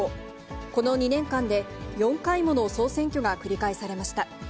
この２年間で４回もの総選挙が繰り返されました。